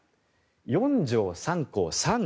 ４条３項３３号